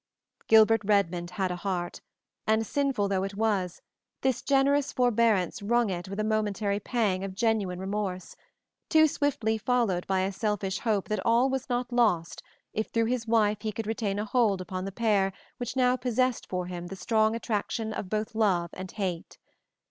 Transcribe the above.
Gilbert Redmond had a heart, and, sinful though it was, this generous forbearance wrung it with a momentary pang of genuine remorse, too swiftly followed by a selfish hope that all was not lost if through his wife he could retain a hold upon the pair which now possessed for him the strong attraction of both love and hate.